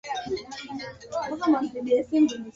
Rais mteule anakaribisha taarifa